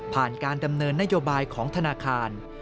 การดำเนินนโยบายของธนาคาร